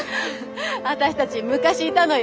私たち昔いたのよ。